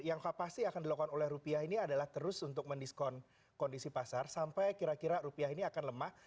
yang pasti akan dilakukan oleh rupiah ini adalah terus untuk mendiskon kondisi pasar sampai kira kira rupiah ini akan lemah